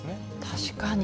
確かに。